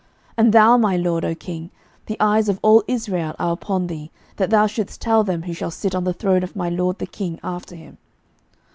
11:001:020 And thou, my lord, O king, the eyes of all Israel are upon thee, that thou shouldest tell them who shall sit on the throne of my lord the king after him.